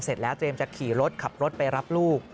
เสร็จแล้วเตรียมจะขี่รถขับรถไปรับลูก